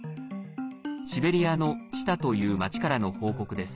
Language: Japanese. シベリアのチタという町からの報告です。